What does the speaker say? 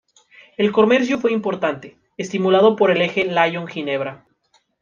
El comercio fue importante, estimulado por el eje Lyon-Ginebra.